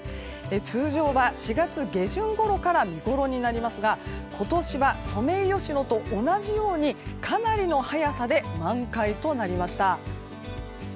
通常は４月下旬ごろから見ごろになりますが今年はソメイヨシノと同じようにかなりの早さで満開となりました。